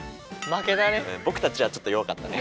僕たちはちょっと弱かったね。